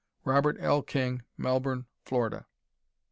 Robert L. King, Melbourne, Florida.